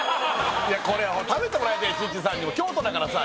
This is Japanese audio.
これ食べてもらいたいよチッチさんにも京都だからさ